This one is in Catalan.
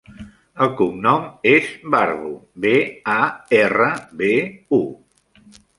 El cognom és Barbu: be, a, erra, be, u.